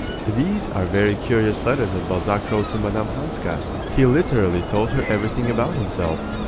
These are very curious letters that Balzac wrote to Mme. Hanska. He literally told her everything about himself.